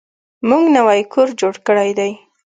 موږ نوی کور جوړ کړی دی.